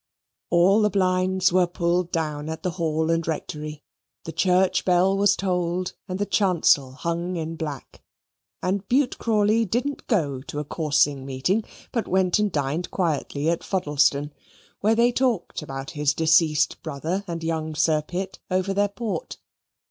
All the blinds were pulled down at the Hall and Rectory: the church bell was tolled, and the chancel hung in black; and Bute Crawley didn't go to a coursing meeting, but went and dined quietly at Fuddleston, where they talked about his deceased brother and young Sir Pitt over their port.